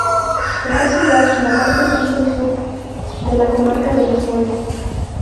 Está situada en la parte centro-sur de la comarca de Los Montes.